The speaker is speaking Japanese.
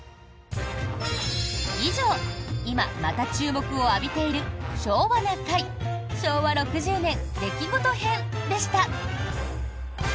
以上、今また注目を浴びている「昭和な会」昭和６０年・出来事編でした。